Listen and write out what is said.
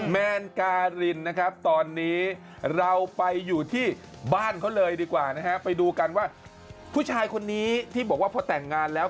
แมนการินนะครับตอนนี้เราไปอยู่ที่บ้านเขาเลยดีกว่านะฮะไปดูกันว่าผู้ชายคนนี้ที่บอกว่าพอแต่งงานแล้ว